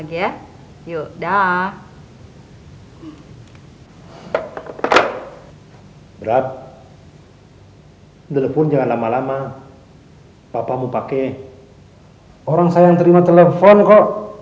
itu namanya enggak lucu